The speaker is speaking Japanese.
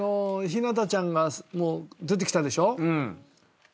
陽向ちゃんが出てきたでしょ。